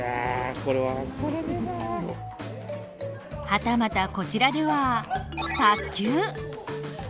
はたまたこちらでは卓球！